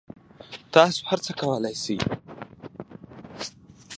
تاسو هر څه کولای شئ